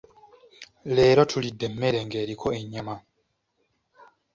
Leero tulidde emmere ng’eriko ennyama.